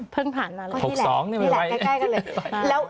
เพิ่งผ่านมาเลย